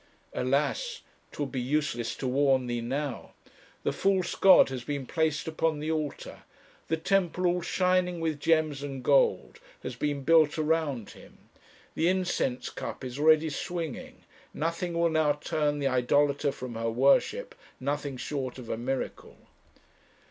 Alas! 'twould be useless to warn thee now. The false god has been placed upon the altar, the temple all shining with gems and gold has been built around him, the incense cup is already swinging; nothing will now turn the idolater from her worship, nothing short of a miracle.